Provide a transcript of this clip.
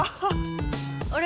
あれ？